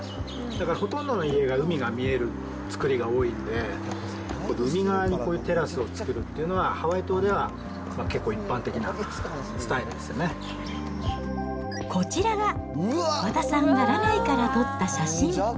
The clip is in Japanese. だから、ほとんどの家が海が見える作りが多いんで、海側にこういうテラスを作るというのは、ハワイ島では結構一般的こちらが和田さんがラナイから撮った写真。